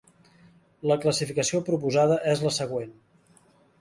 La classificació proposada és la següent.